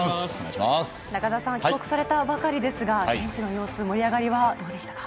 中澤さんは帰国されたばかりですが現地の様子盛り上がりはいかがですか？